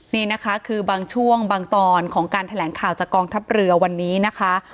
นี่นะคะคือบางช่วงบางตอนของการแถลงข่าวจากกองทัพเรือวันนี้นะคะ